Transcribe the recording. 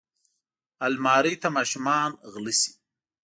الماري ته ماشومان غله شي